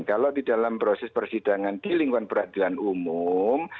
kalau di dalam proses persidangan di lingkungan peradilan umum